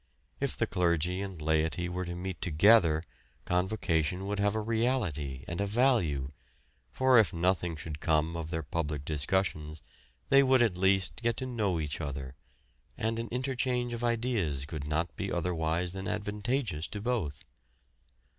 If the clergy and laity were to meet together, Convocation would have a reality and a value, for if nothing should come of their public discussions they would at least get to know each other, and an interchange of ideas could not be otherwise than advantageous to both.